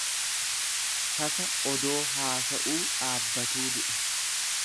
Tasa odoo haasa'uu dhaabbatuu du'e.